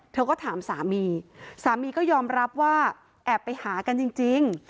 เธอก็ถามสามีสามีก็ยอมรับว่าแอบไปหากันจริง